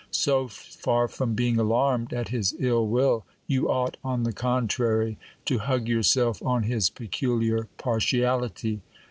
So far from being alarmed at his ill will, you ought, on the contrary, to hug yourself on his peculiar partiality.